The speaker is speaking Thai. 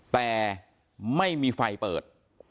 แต่ไม่มีไฟเปิด